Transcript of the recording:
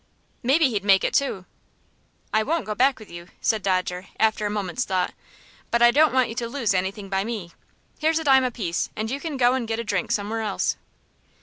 "Maybe he'd make it two." "I won't go back with you," said Dodger, after a moment's thought; "but I don't want you to lose anything by me. Here's a dime apiece, and you can go and get a drink somewhere else."